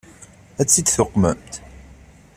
Ad tt-id-tuqmemt?